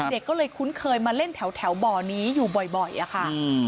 เด็กก็เลยคุ้นเคยมาเล่นแถวบ่อนี้อยู่บ่อยอะค่ะ